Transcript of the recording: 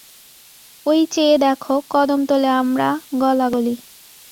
ওই চেয়ে দ্যাখ কদমতলে আমরা গলাগলি।